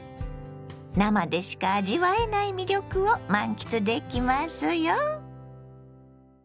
生でしか味わえない魅力を満喫できますよ。